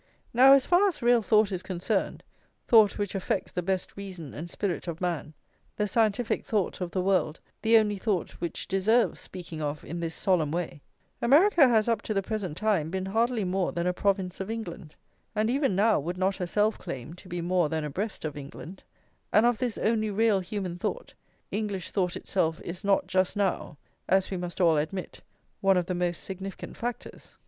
Now as far as real thought is concerned, thought which affects the best reason and spirit of man, the scientific thought of the world, the only thought which deserves speaking of in this solemn way, America has up to the present time been hardly more than a province of England, and even now would not herself claim to be more than abreast of England; and of this only real human thought, English thought itself is not just now, as we must all admit, one of the most significant factors.